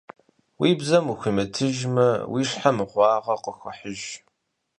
Уи бзэм ухуимытыжмэ, уи щхьэ мыгъуагъэ къыхуэхьыж.